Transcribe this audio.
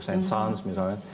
saint sons misalnya